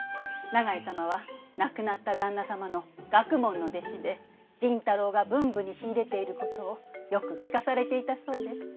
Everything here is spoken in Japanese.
永井様は亡くなった旦那様の学問の弟子で麟太郎が文武に秀でていることをよく聞かされていたそうです。